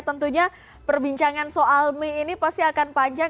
tentunya perbincangan soal mie ini pasti akan panjang